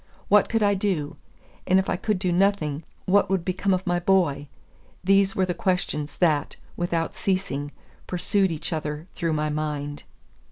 What could I do? and if I could do nothing, what would become of my boy? These were the questions that, without ceasing, pursued each other through my mind.